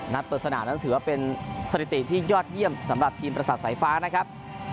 เปิดสนามนั้นถือว่าเป็นสถิติที่ยอดเยี่ยมสำหรับทีมประสาทสายฟ้านะครับ